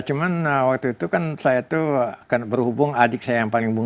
cuma waktu itu kan saya tuh berhubung adik saya yang paling